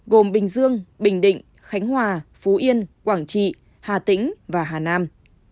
gồm bình dương bình định khánh hòa phú yên quảng trị hà tĩnh và hà nam